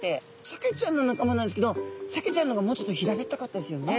サケちゃんの仲間なんですけどサケちゃんの方がもうちょっと平べったかったですよね。